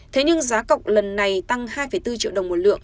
thế nhưng giá cọc lần này tăng hai bốn triệu đồng một lượng